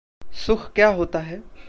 सुख क्या होता है?